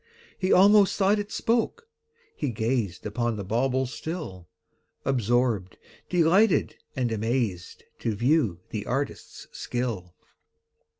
He almost thought it spoke: he gazed Upon the bauble still, Absorbed, delighted, and amazed, To view the artist's skill.